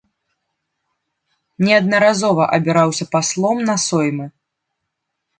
Неаднаразова абіраўся паслом на соймы.